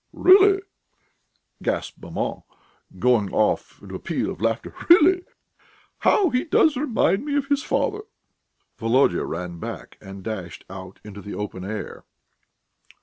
"Really!" gasped maman, going off into a peal of laughter. "Really! How he does remind me of his father!" Volodya ran back and dashed out into the open air.